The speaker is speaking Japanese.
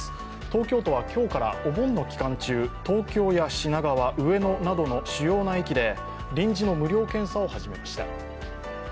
東京都は今日からお盆の期間中、東京や品川、上野などの主要な駅で臨時の無料検査を始めました。